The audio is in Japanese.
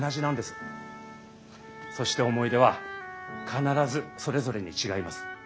そして思い出は必ずそれぞれに違います。